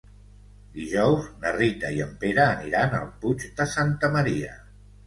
Dijous na Rita i en Pere aniran al Puig de Santa Maria.